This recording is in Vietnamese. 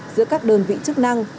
giữa các đơn vị chức năng